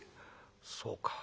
「そうか。